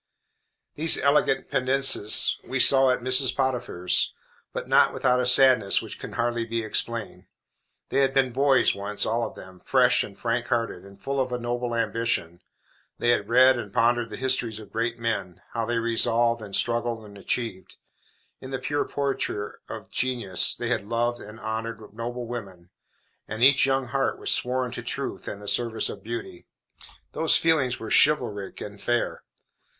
These elegant Pendennises we saw at Mrs. Potiphar's, but not without a sadness which can hardly be explained. They had been boys once, all of them, fresh and frank hearted, and full of a noble ambition. They had read and pondered the histories of great men; how they resolved, and struggled, and achieved. In the pure portraiture of genius, they had loved and honored noble women, and each young heart was sworn to truth and the service of beauty. Those feelings were chivalric and fair.